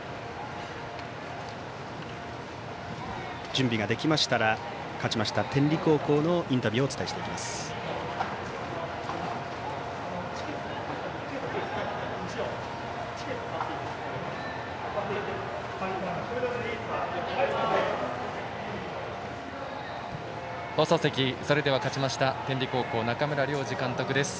準備ができましたら勝ちました天理高校のインタビューをお伝えします。